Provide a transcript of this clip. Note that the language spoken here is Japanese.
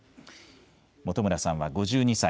本村さんは５２歳。